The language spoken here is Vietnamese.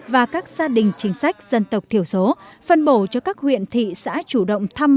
và các gia đình chính sách dân tộc thiểu số phân bổ cho các huyện thị xã chủ động thăm